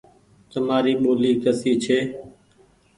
تمآري ٻولي ڪسي ڇي ۔